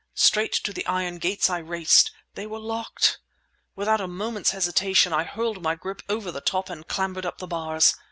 Straight up to the iron gates I raced. They were locked! Without a moment's hesitation I hurled my grip over the top and clambered up the bars!